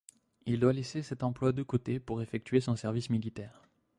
Il doit laisser cet emploi de côté pour effectuer son service militaire.